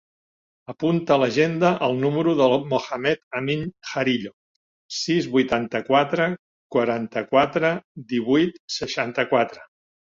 Apunta a l'agenda el número del Mohamed amin Jarillo: sis, vuitanta-quatre, quaranta-quatre, divuit, seixanta-quatre.